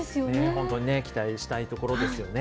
本当にね、期待したいところですよね。